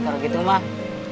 kalau gitu bang